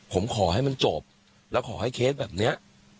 ผมขอให้มันจบแล้วขอให้เคสแบบนี้